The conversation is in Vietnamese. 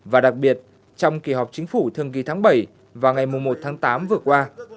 và đặc biệt trong kỳ họp chính phủ thương kỳ tháng bảy và ngày một tháng tám vừa qua